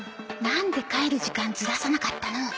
なんで帰る時間ずらさなかったの？